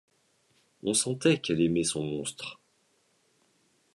On sentait qu’elle aimait son monstre.